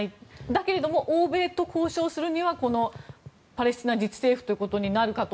だけれども欧米と交渉するにはこのパレスチナ自治政府ということになるかと。